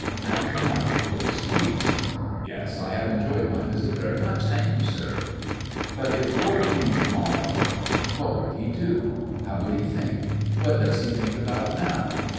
And now it is peace. ('Yes, I have enjoyed my visit very much, thank you, sir.') But if War came to morrow? What would he do? How would he think? What does he think about now?